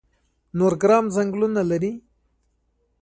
نورګرام ځنګلونه لري؟